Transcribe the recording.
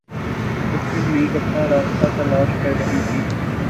مسلم لیگ اپنا راستہ تلاش کررہی تھی۔